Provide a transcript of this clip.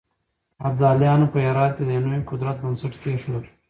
ابدالیانو په هرات کې د يو نوي قدرت بنسټ کېښود.